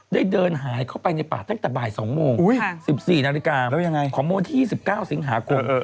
เดินหายเข้าไปในป่าตั้งแต่บ่าย๒โมง๑๔นาฬิกาของวันที่๒๙สิงหาคม